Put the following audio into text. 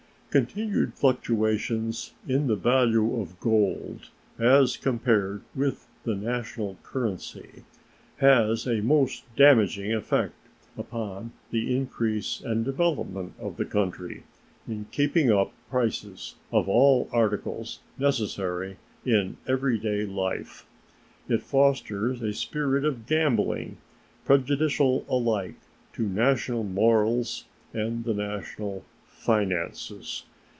Continued fluctuations in the value of gold, as compared with the national currency, has a most damaging effect upon the increase and development of the country, in keeping up prices of all articles necessary in everyday life. It fosters a spirit of gambling, prejudicial alike to national morals and the national finances.